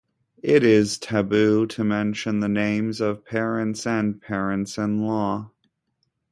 It is taboo to mention the names of parents and parents-in-law.